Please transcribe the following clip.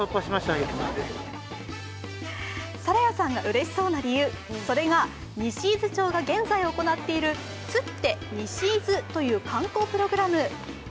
皿屋さんがうれしそうな理由、それが西伊豆町が現在行っているツッテ西伊豆という観光プログラム。